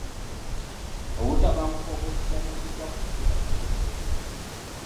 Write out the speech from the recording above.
Obutabanguko obwesigamiziddwa ku kikula kibonerezebwa.